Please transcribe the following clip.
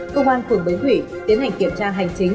công an phường bến thủy tiến hành kiểm tra hành chính